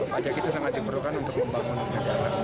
pajak itu sangat diperlukan untuk membangun negara